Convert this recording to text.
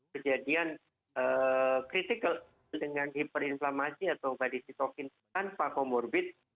kejadian critical dengan hiperinflamasi atau badai sitokin tanpa comorbid